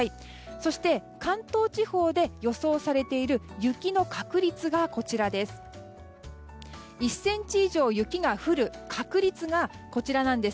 そして関東地方で予想されている雪の確率がこちらです。